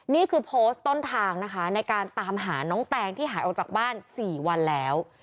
นี่คือโพสต์ต้นทางนะคะในการตามหาน้องแตงที่หายออกจากบ้าน๔วันแล้ว